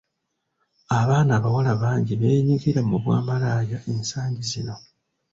Abaana abawala bangi beenyigira mu bwamalaaya ensangi zino.